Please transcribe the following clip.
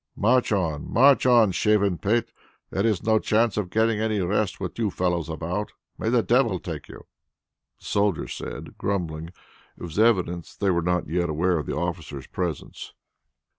"March on, march on, shaven pate! There is no chance of getting any rest with you fellows about; may the Devil take you!" the soldiers said, grumbling. It was evident that they were not yet aware of the officers' presence.